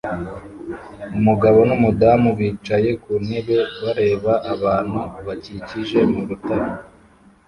Umugabo numudamu bicaye ku ntebe bareba ahantu hakikije mu rutare